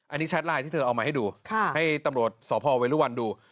อันนี้แชทไลน์ที่เธอเอามาให้ดูให้ตำรวจสพเวรุวันดู